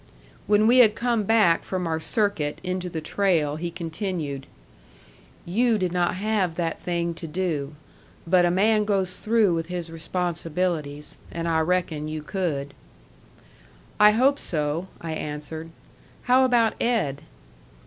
When we had come back from our circuit into the trail he continued: "You did not have that thing to do. But a man goes through with his responsibilities and I reckon you could." "I hope so," I answered. "How about Ed?"